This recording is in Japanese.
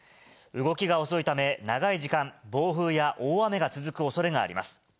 動きが遅いため、長い時間、暴風や大雨が続くおそれがあります。